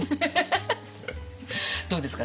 どうですか？